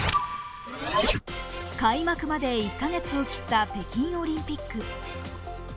開幕まで１カ月を切った北京オリンピック。